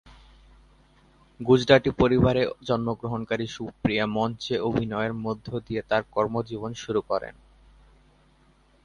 গুজরাতি পরিবারে জন্মগ্রহণকারী সুপ্রিয়া মঞ্চে অভিনয়ের মধ্যে দিয়ে তার কর্মজীবন শুরু করেন।